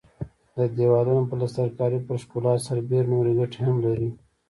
د دېوالونو پلستر کاري پر ښکلا سربېره نورې ګټې هم لري.